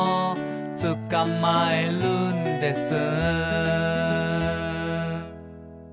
「つかまえるんです」